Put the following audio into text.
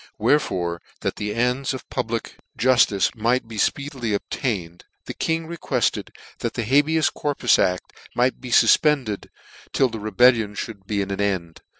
Wherefore, that the ends of public juftice might be fpeedily obtained, the King requested that the habeas corpus aft might be fufpended till the rebellion mould be at an end.